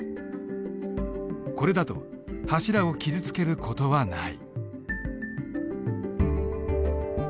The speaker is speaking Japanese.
これだと柱を傷つける事はない。